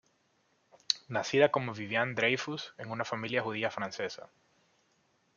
Nacida como Viviane Dreyfus en una familia judía francesa.